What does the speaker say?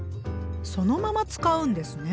そのまま使うんですね。